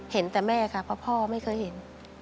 เห็นแต่แม่ค่ะเพราะพ่อไม่เคยเห็น